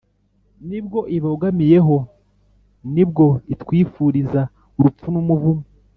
nibwo ibogamiyeho. ni bwo itwifuriza ; urupfu n’umuvumo